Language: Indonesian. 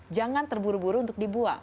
jangan terburu buru untuk dibuang